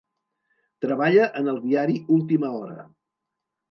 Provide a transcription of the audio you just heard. Treballa en el diari Última Hora.